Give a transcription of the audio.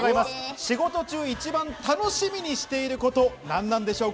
仕事中、一番楽しみにしていること、何なんでしょうか？